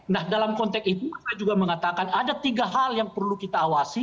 nah dalam konteks itu saya juga mengatakan ada tiga hal yang perlu kita awasi